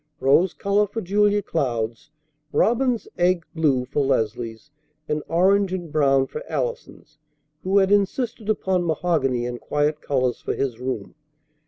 Rose color for Julia Cloud's, robin's egg blue for Leslie's, and orange and brown for Allison's, who had insisted upon mahogany and quiet colors for his room.